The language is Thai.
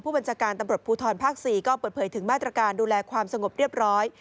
บัญชาการตำรวจภูทรภาค๔ก็เปิดเผยถึงมาตรการดูแลความสงบเรียบร้อย